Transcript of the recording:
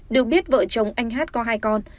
được biết vợ chồng anh hát có hai con